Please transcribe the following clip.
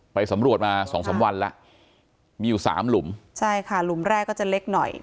ไปสำรวจมาสองสามวันแล้วมีอยู่สามหลุมใช่ค่ะหลุมแรกก็จะเล็กหน่อย